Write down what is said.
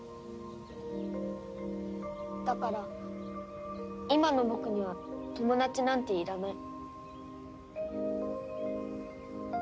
だから今の僕には友達なんていらない。